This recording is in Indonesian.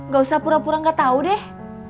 gak usah pura pura gak tau deh